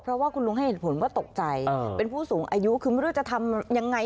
เพราะว่าคุณลุงให้เหตุผลว่าตกใจเป็นผู้สูงอายุคือไม่รู้จะทำยังไง